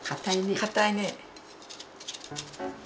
かたいね。